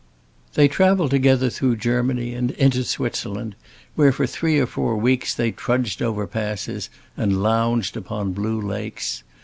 They traveled together through Germany and into Switzerland, where for three or four weeks they trudged over passes and lounged upon blue lakes.